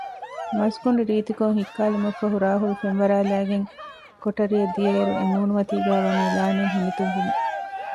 މަސްގޮނޑި ރީތިކޮށް ހިއްކާލުމަށްފަހު ރާހުލް ފެންވަރާލައިގެން ކޮޓަރިއަށް ދިޔައިރު އެ މޫނުމަތީގައި ވަނީ ލާނެތް ހިނިތުންވުމެއް